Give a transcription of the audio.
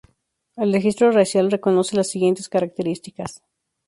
El registro racial reconoce las siguientes características.